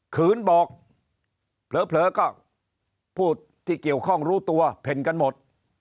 ขืนบอกเผลอก็ผู้ที่เกี่ยวข้องรู้ตัวเพ่นกันหมด